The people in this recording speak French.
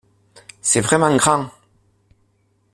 C’est vraiment grand.